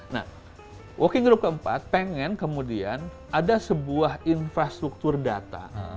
nah working group keempat pengen kemudian ada sebuah infrastruktur data